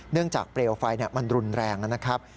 เนื่องจากเปรียวไฟมันรุนแรงนะครับ